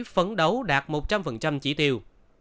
phấn đấu đạt một trăm linh chỉ tiêu